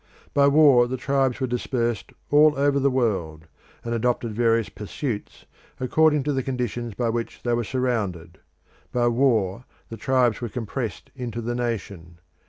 By war the tribes were dispersed all over the world, and adopted various pursuits according to the conditions by which they were surrounded. By war the tribes were compressed into the nation.